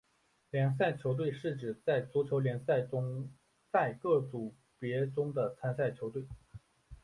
联赛球队是指在足球联赛中在各组别中的参赛球队。